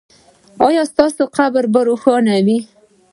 ایا ستاسو قبر به روښانه وي؟